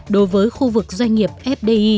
đối với khu vực doanh nghiệp fdi